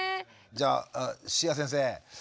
じゃあ椎谷先生。